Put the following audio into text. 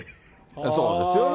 そうですよね。